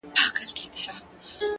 o ها ښکلې که هر څومره ما وغواړي؛